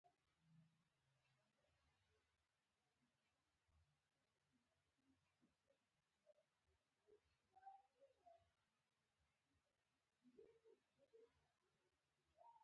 کېله د پوستکي تازه والی زیاتوي.